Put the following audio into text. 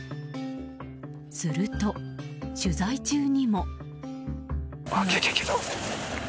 すると取材中にも。